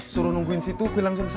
suruh nungguin si tugil langsung ke sana